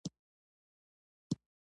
دا اصطلاحات او مفاهیم انساني او مقدس دي.